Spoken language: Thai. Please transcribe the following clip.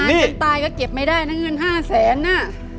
ถ้าเงินตายก็เก็บไม่ได้นะเงินห้าแสนน่ะ